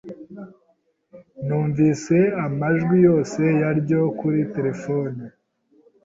Numvise amajwi yose ya Ryo kuri terefone.